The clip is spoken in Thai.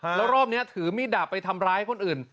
แล้วรอบนี้ถือมีดดาบไปทำร้ายคนอื่น